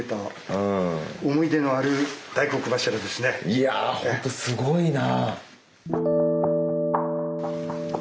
いやぁほんとすごいな。